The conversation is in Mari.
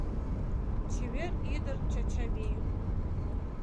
Чевер ӱдыр Чачави.